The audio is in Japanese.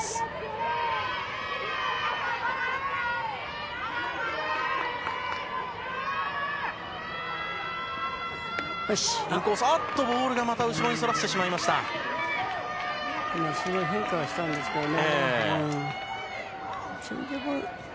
多少、変化はしたんですけどね。